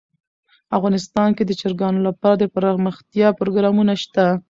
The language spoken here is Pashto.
افغانستان کې د چرګانو لپاره دپرمختیا پروګرامونه شته.